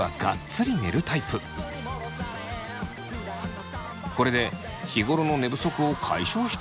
これで日頃の寝不足を解消しているそうです。